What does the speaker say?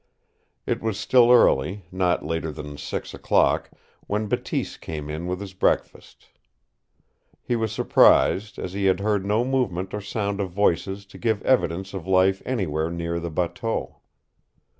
It was still early, not later than six o'clock, when Bateese came in with his breakfast. He was surprised, as he had heard no movement or sound of voices to give evidence of life anywhere near the bateau.